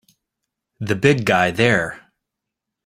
The big guy there!